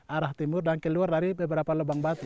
arah timur dan keluar dari beberapa lubang batu